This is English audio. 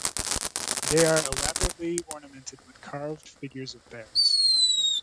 They are elaborately ornamented with carved figures of bears.